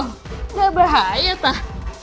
nggak bahaya tah